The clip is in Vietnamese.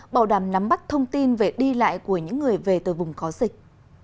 bảo đảm nắm bắt thông tin về đi lại của những người về từ vùng có dịch